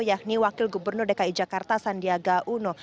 yakni wakil gubernur dki jakarta sandiaga uno